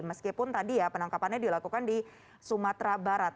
meskipun tadi ya penangkapannya dilakukan di sumatera barat